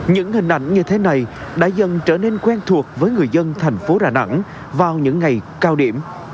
những hình ảnh như thế này đã dần trở nên quen thuộc với người dân thành phố đà nẵng vào những ngày cao điểm